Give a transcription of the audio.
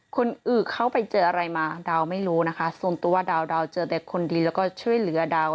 คนอื่นเขาไปเจออะไรมาดาวไม่รู้นะคะส่วนตัวดาวเจอแต่คนดีแล้วก็ช่วยเหลือดาว